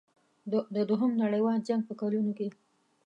د دوهم نړیوال جنګ په کلونو کې.